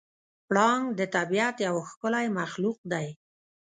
پړانګ د طبیعت یو ښکلی مخلوق دی.